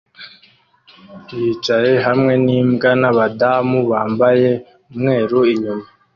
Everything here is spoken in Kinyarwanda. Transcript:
yicaye hamwe nimbwa nabadamu bambaye umweru inyuma